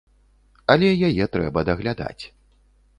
Але яе трэба даглядаць.